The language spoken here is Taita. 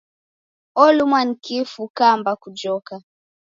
Olumwa ni kifu ukaamba kujoka!